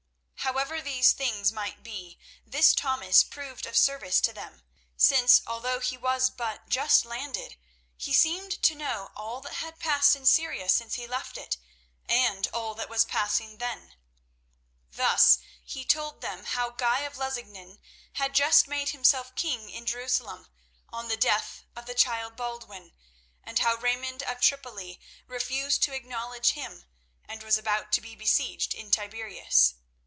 However these things might be, this Thomas proved of service to them, since, although he was but just landed, he seemed to know all that had passed in Syria since he left it, and all that was passing then. Thus he told them how Guy of Lusignan had just made himself king in Jerusalem on the death of the child Baldwin, and how Raymond of Tripoli refused to acknowledge him and was about to be besieged in Tiberias.